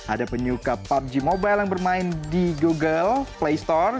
ada penyuka pubg mobile yang bermain di google play store